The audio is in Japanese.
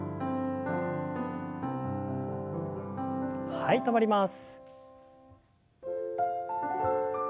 はい止まります。